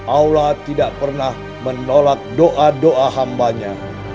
allah tidak pernah menolak doa doa hambanya